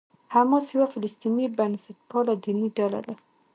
حماس یوه فلسطیني بنسټپاله دیني ډله ده.